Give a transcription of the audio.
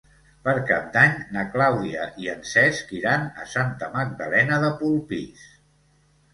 Per Cap d'Any na Clàudia i en Cesc iran a Santa Magdalena de Polpís.